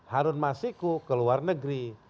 harun masiku keluar negeri